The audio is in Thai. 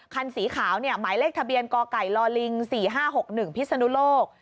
คันสีขาวหมายเลขทะเบียนกไก่ลิง๔๕๖๑พิศนุโลก